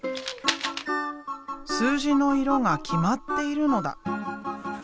数字の色が決まっているのだ。